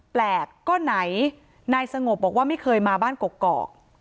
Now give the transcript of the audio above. แปลกก็ไหนนายสงบบอกว่าไม่เคยมาบ้านกอก